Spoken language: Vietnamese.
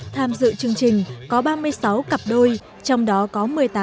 tham dự chương trình có ba mươi sáu cặp đôi trong đó có một mươi tám cặp đôi